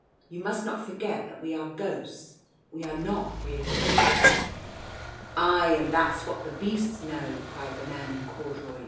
" You must not forget that we are ghosts. We are not really here." "Ay, and that's what the beasts know!" cried the man in corduroys.